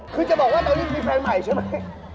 คือจะบอกว่าตอนนี้มีแฟนใหม่ใช่ไหม